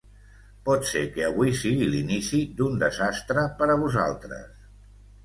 Pot ser que avui sigui l'inici d'un desastre per a vosaltres.